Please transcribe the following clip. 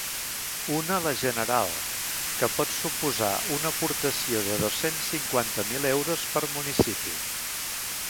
Una la general, que pot suposar una aportació de dos-cents cinquanta mil euros per municipi.